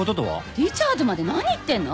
リチャードまで何言ってんの？